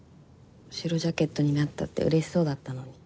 白ジャケットになったって嬉しそうだったのに。